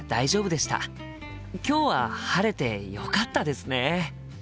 今日は晴れてよかったですね！